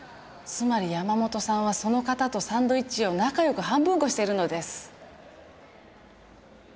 つまり山本さんはその方とサンドイッチを仲良く半分こしているのです。